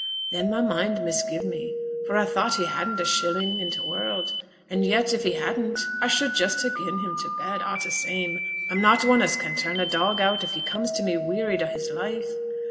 Then my mind misgive me, for a thought he hadn't a shilling i' t' world, an' yet if he hadn't, a should just ha' gi'en him t' bed a' t' same: a'm not one as can turn a dog out if he comes t' me wearied o' his life.